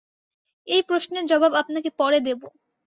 এই প্রশ্নের জবাব আপনাকে পরে দেব।